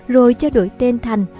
rồi cho đổi tên thành